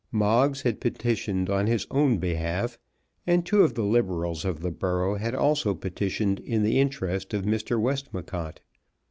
Moggs had petitioned on his own behalf, and two of the Liberals of the borough had also petitioned in the interest of Mr. Westmacott.